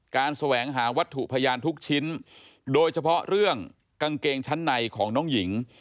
แสวงหาวัตถุพยานทุกชิ้นโดยเฉพาะเรื่องกางเกงชั้นในของน้องหญิง